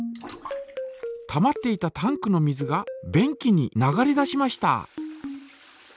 たまっていたタンクの水が便器に流れ出しました。